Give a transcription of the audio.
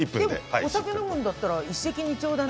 お酒、飲むんだったら一石二鳥だね。